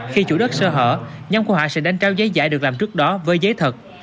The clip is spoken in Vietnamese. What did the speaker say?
khi chủ đất sơ hở nhóm của họ sẽ đánh trao giấy giải được làm trước đó với giấy thật